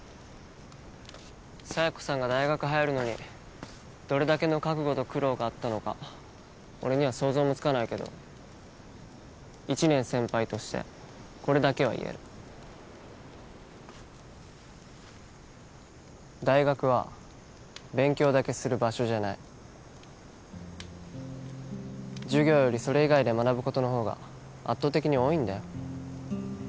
佐弥子さんが大学入るのにどれだけの覚悟と苦労があったのか俺には想像もつかないけど１年先輩としてこれだけは言える大学は勉強だけする場所じゃない授業よりそれ以外で学ぶことの方が圧倒的に多いんだよ